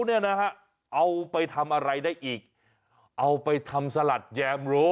เขาเอาไปทำอะไรได้อีกเอาไปทำสลัดแยมโล